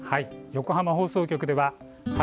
横浜放送局では＃